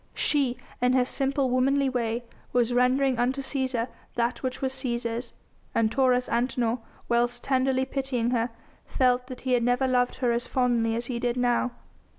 She, in her simple, womanly way, was rendering unto Cæsar that which was Cæsar's, and Taurus Antinor, whilst tenderly pitying her, felt that he had never loved her as fondly as he did now.